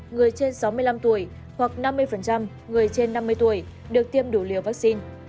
người trên sáu mươi năm tuổi hoặc năm mươi người trên năm mươi tuổi được tiêm đủ liều vaccine